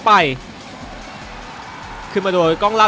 สนามโรงเรียนสมุทรสาคอนวุฒิชัย